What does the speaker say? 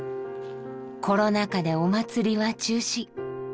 コロナ禍でお祭りは中止。